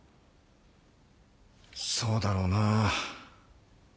そうだろうな。